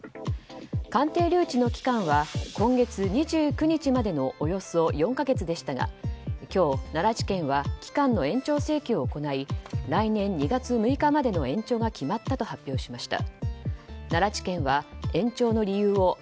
鑑定留置の期間は今月２９日までのおよそ４か月でしたが今日、奈良地検は期間の延長請求を行い来年２月６日までの延長が決まったと発表しました。